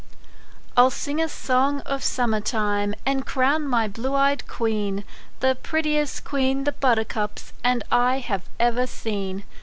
I'LL sing a song of summer time, And crown my blue eyed queen, The prettiest queen the buttercups And I have ever seen.